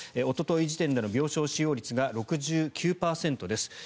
おととい時点での病床使用率が６９％です。